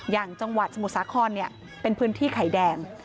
อย่างจังหวัดสมุทรสาครเป็นพื้นที่ไข่แดง